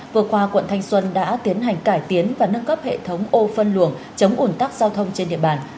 vừa qua quận thanh xuân đã tiến hành cải tiến và nâng cấp hệ thống ô phân luồng chống ủn tắc giao thông trên địa bàn